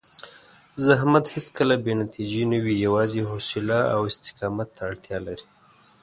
زحمت هېڅکله بې نتیجې نه وي، یوازې حوصله او استقامت ته اړتیا لري.